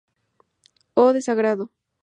O desagrado.